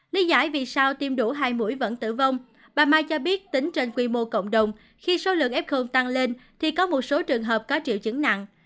lý giải vì sao tiêm đủ hai mũi vẫn tử vong bà mai cho biết tính trên quy mô cộng đồng khi số lượng f tăng lên thì có một số trường hợp có triệu chứng nặng